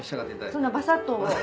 そんなバサっと。